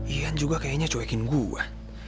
ian juga kayaknya cuekin gue